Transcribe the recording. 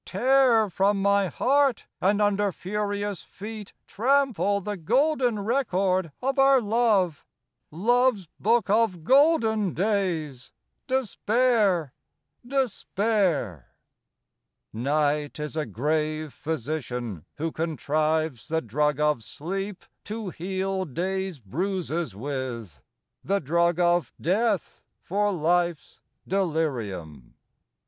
III Tear from my heart and under furious feet Trample the golden record of our love, Love's book of golden days, despair! despair! IV Night is a grave physician, who contrives The drug of sleep to heal day's bruises with, The drug of death for life's delirium.